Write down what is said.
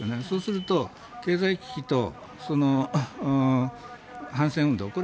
そうすると、経済危機と反戦運動